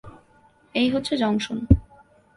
এই হচ্ছে জংশন।